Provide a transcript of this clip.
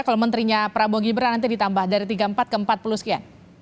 kalau menterinya prabowo gibran nanti ditambah dari tiga puluh empat ke empat puluh sekian